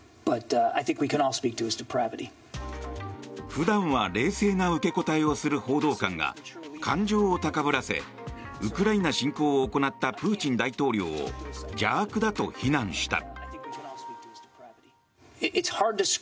普段は冷静な受け答えをする報道官が感情を高ぶらせウクライナ侵攻を行ったプーチン大統領を邪悪だと非難した。